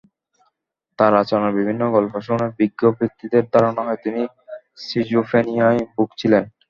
তাঁর আচরণের বিভিন্ন গল্প শুনে বিজ্ঞ ব্যক্তিদের ধারণা হয়, তিনি সিজোফ্রেনিয়ায় ভুগছিলেন।